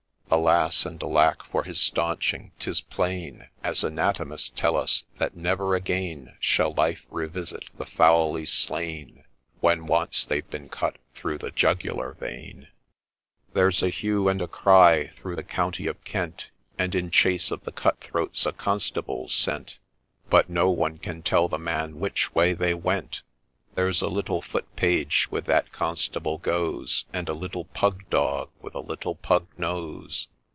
Alas ! and alack for his staunching !— 'tis plain, As anatomists tell us, that never again Shall life revisit the foully slain, When once they've been cut through the jugular vein. 30 THE NDESE'S STORY There 's a hue and a cry through the County of Kent, And in chase of the cut throats a Constable 's sent, But no one can tell the man which way they went : There 's a little Foot page with that Constable goes, And s little pug dog with a little pug nose.